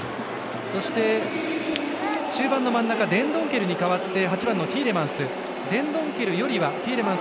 そして、中盤の真ん中デンドンケルと代わって８番のティーレマンス。